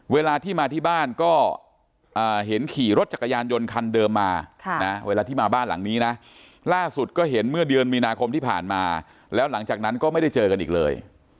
เวลาที่มาที่บ้านก็เห็นขี่รถจักรยานยนต์คันเดิมมาเวลาที่มาบ้านหลังนี้นะล่าสุดก็เห็นเมื่อเดือนมีนาคมที่ผ่านมาแล้วหลังจากนั้นก็ไม่ได้เจอกันอีกเลย